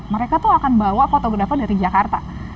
mereka tuh akan bawa fotografer dari jakarta